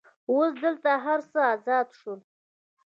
اوس دلته هر څه آزاد شول.